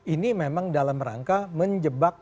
ini memang dalam rangka menjebak